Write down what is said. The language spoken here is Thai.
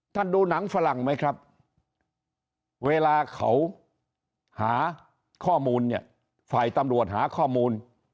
ดูหนังฝรั่งไหมครับเวลาเขาหาข้อมูลเนี่ยฝ่ายตำรวจหาข้อมูล